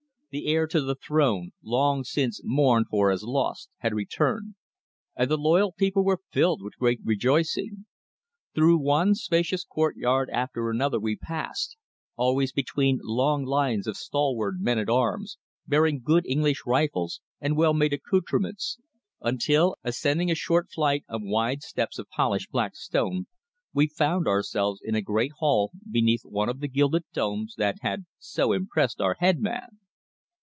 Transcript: The heir to the throne, long since mourned for as lost, had returned, and the loyal people were filled with great rejoicing. Through one spacious courtyard after another we passed, always between long lines of stalwart men at arms, bearing good English rifles and well made accoutrements, until, ascending a short flight of wide steps of polished black stone, we found ourselves in a great hall beneath one of the gilded domes that had so impressed our head man.